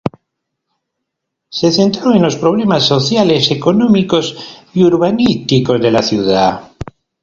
Se centró en los problemas sociales, económicos y urbanísticos de la ciudad.